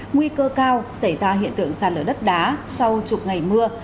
nguy cơ cao xảy ra hiện tượng sàn lở đất đá sau chục ngày mưa